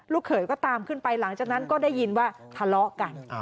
เขยก็ตามขึ้นไปหลังจากนั้นก็ได้ยินว่าทะเลาะกัน